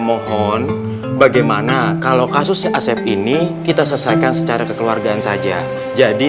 mohon bagaimana kalau kasusnya asep ini kita selesaikan secara kekeluargaan saja jadi